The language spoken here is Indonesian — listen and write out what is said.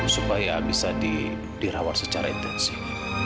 supaya bisa dirawat secara intensif